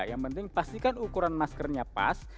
yang penting pastikan ukuran maskernya pas